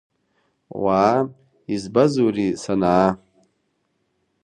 Уаа, избазури, санаа?